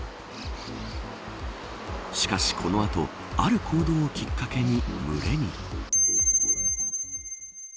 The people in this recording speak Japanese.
しかし、この後ある行動をきっかけに群れに。